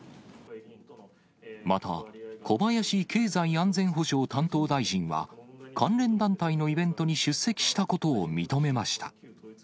また、小林経済安全保障担当大臣は、関連団体のイベントに出席したことを認めました。